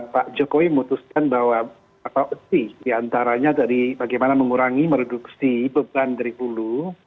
pak jokowi memutuskan bahwa ya antaranya dari bagaimana mengurangi mereduksi beban dari puluh